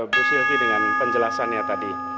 bu sylki dengan penjelasannya tadi